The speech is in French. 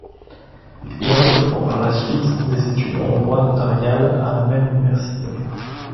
Il entreprend, par la suite, des études en droit notarial à la même université.